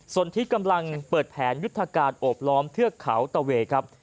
ส่วนที่กำลังเปิดแผนยุทธการโอบล้อมเทือกเขาตะเวครับ